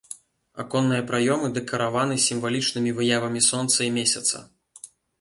Аконныя праёмы дэкараваны сімвалічнымі выявамі сонца і месяца.